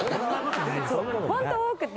ホント多くて。